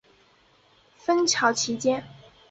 芬乔奇街。